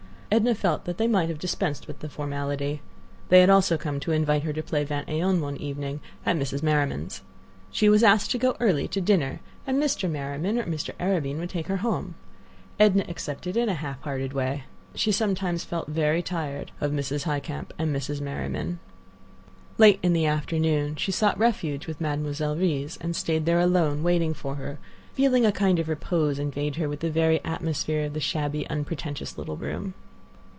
Edna felt that they might have dispensed with the formality. They had also come to invite her to play vingt et un one evening at Mrs. Merriman's. She was asked to go early, to dinner, and Mr. Merriman or Mr. Arobin would take her home. Edna accepted in a half hearted way. She sometimes felt very tired of Mrs. Highcamp and Mrs. Merriman. Late in the afternoon she sought refuge with Mademoiselle Reisz, and stayed there alone, waiting for her, feeling a kind of repose invade her with the very atmosphere of the shabby, unpretentious little room.